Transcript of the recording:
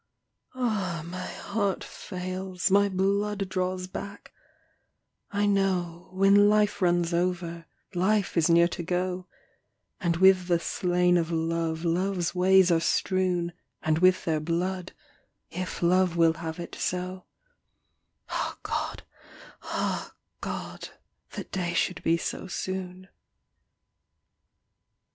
Ah, my heart fails, my blood draws back; I know, When life runs over, life is near to go; And with the slain of love love's ways are strewn, And with their blood, if love will have it so; Ah God, ah God, that day should be so soon.